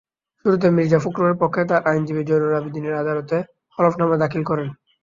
শুরুতে মির্জা ফখরুলের পক্ষে তাঁর আইনজীবী জয়নুল আবেদীন আদালতে হলফনামা দাখিল করেন।